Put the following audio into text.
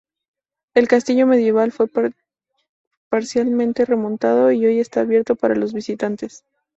El castillo medieval fue parcialmente remontado y hoy está abierto para los visitantes.